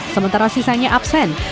sementara sisanya absen